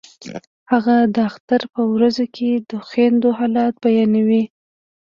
هغه د اختر په ورځو کې د خویندو حالت بیانوي